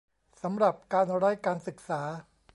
สำหรับ การไร้การศึกษา ?